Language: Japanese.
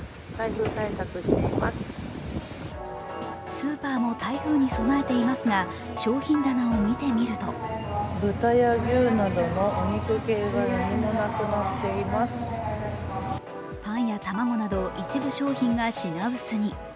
スーパーも台風に備えていますが商品棚を見てみるとパンや卵など一部商品が品薄に。